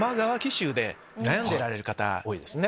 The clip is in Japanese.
悩んでられる方多いですね。